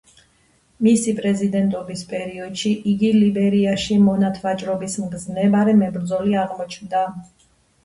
მისი პრეზიდენტობის პერიოდში იგი ლიბერიაში მონათვაჭრობის მგზნებარე მებრძოლი აღმოჩნდა.